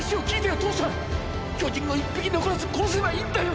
巨人を一匹残らず殺せばいいんだよ！！